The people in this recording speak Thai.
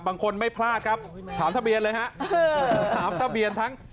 บางคนไม่พลาดครับถามทะเบียนเลยฮะถามทะเบียนทั้ง